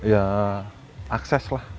ya akses lah